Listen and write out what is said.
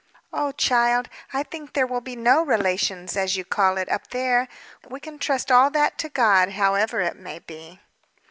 "Oh, child! I think there will be no relations, as you call it, up there. We can trust all that to God, however it may be."